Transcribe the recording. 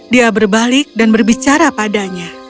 dia berbalik dan berbicara padanya